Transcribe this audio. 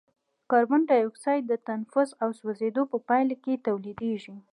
کاربن ډای اکساید د تنفس او سوځیدو په پایله کې تولیدیږي.